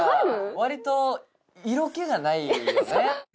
わりと色気がないよね